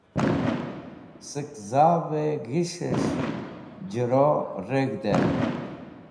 Sẽk zavẽ g̃his̃hẽs̃h jẽro reg̃hdẽ.